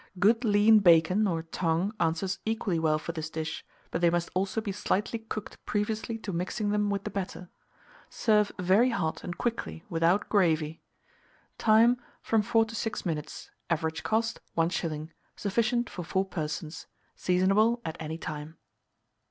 Good lean bacon, or tongue, answers equally well for this dish; but they must also be slightly cooked previously to mixing them with the batter. Serve very hot and quickly, without gravy. Time. From 4 to 6 minutes. Average cost, 1s. Sufficient for 4 persons. Seasonable at any time.